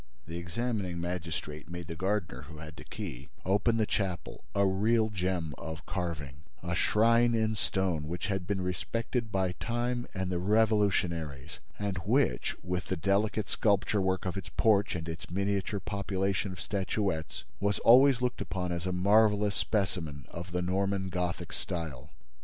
The examining magistrate made the gardener, who had the key, open the chapel, a real gem of carving, a shrine in stone which had been respected by time and the revolutionaries, and which, with the delicate sculpture work of its porch and its miniature population of statuettes, was always looked upon as a marvelous specimen of the Norman Gothic style.